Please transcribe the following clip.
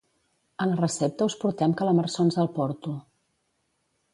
A la recepta us portem calamarsons al Porto